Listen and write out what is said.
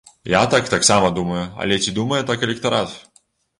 Я так таксама думаю, але ці думае так электарат?